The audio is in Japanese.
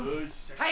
はい！